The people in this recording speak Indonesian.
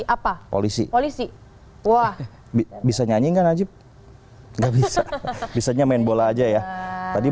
udah jadi apa polisi polisi wah bisa nyanyi nggak najib nggak bisa bisa nya main bola aja ya tadi